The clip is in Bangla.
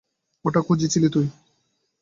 ওটাই খুঁজছিলি তুই?